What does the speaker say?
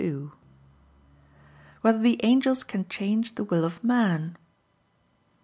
3] Whether the Angels Can Change the Will of Man?